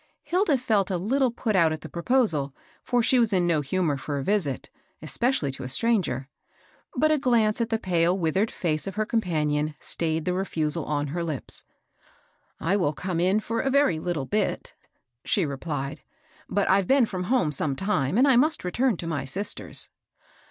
Hilda felt a little put out at the proposal, for she was in no humor for a visit, especially to a stran ger ; but a glance at the pale, withered face of her companion stayed the reftusal on her hps. " I will come in for a very little bit," she re plied ;^^ but I've been from home some time, and must return to my sisters."